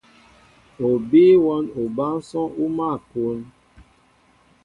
O bíy wɔ́n obánsɔ́ŋ ó mál a kún.